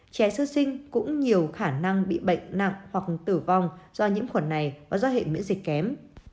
trẻ sơ sinh cũng nhiều khả năng bị bệnh nặng hoặc tử vong do nhiễm khuẩn này và do hệ miễn dịch kém